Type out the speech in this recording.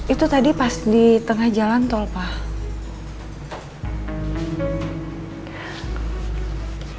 itu tadi pas di tengah jalan tol pak